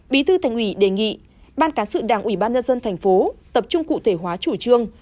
bí tư thành ủy đề nghị ban cán sự đảng ubnd tp tập trung cụ thể hóa chủ trương